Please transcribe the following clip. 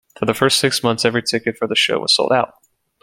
For the first six months, every ticket for the show was sold out.